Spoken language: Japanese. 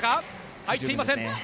入っていません。